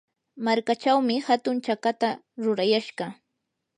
markachawmi hatun chakata rurayashqa.